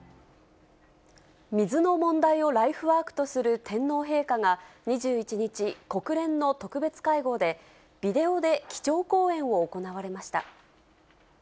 水の問題をライフワークとする天皇陛下が、２１日、国連の特別会合で、ビデオで基調講演を行われました。